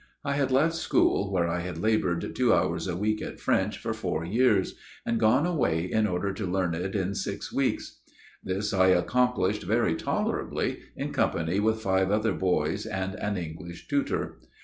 I had left school where I had laboured two hours a week at French for four years ; and gone away in order to learn it in six weeks. This I accomplished very tolerably, in company with five other boys and an English tutor.